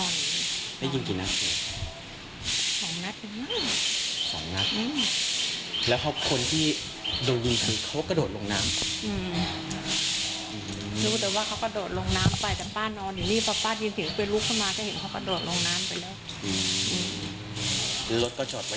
รถก็จอดไว้อย่างนั้นสีกังพูที่วันจอดไว้